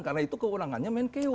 karena itu kewenangannya menkeo